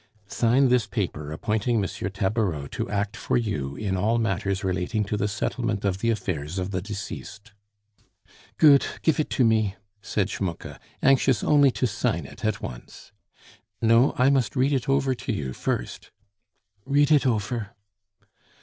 "Sign this paper appointing M. Tabareau to act for you in all matters relating to the settlement of the affairs of the deceased." "Goot! gif it to me," said Schmucke, anxious only to sign it at once. "No, I must read it over to you first." "Read it ofer."